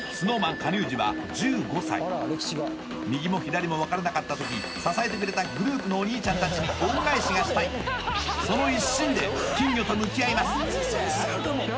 右も左もわからなかった時支えてくれたグループのお兄ちゃんたちに恩返しがしたいその一心で金魚と向き合います